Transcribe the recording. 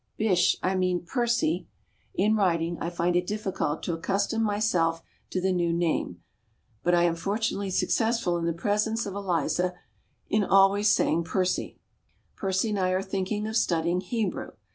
Bysshe, I mean Percy (In writing I find it difficult to accustom myself to the new name, but I am fortunately successful in the presence of Eliza in always saying Percy) Percy and I are thinking of studying Hebrew.